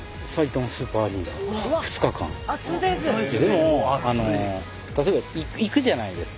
でも例えば行くじゃないですか。